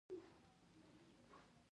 د ډوډۍ د ورېدو خبره په ټول کلي کې خپره شوه.